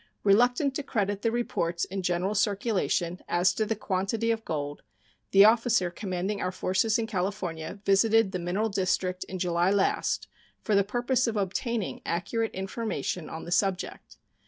Reluctant to credit the reports in general circulation as to the quantity of gold, the officer commanding our forces in California visited the mineral district in July last for the purpose of obtaining accurate information on the subject.